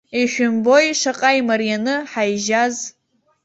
Ишәымбои шаҟа имарианы ҳаижьаз.